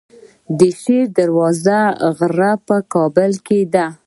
شیر دروازه غر په کابل کې دی